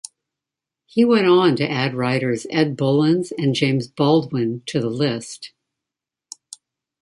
He went on to add writers Ed Bullins and James Baldwin to the list.